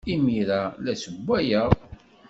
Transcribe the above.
Imir-a, la ssewwayeɣ.